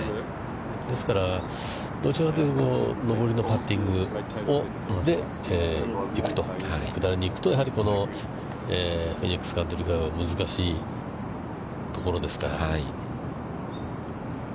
ですから、どちらかというと、上りのパッティングで行くとフェニックスカントリークラブ、難しいところですから。